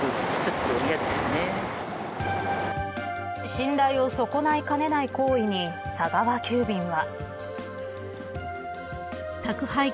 信頼を損ないかねない行為に佐川急便は。